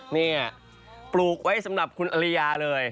นี่ปลูกไว้สำหรับคุณอริยาเลย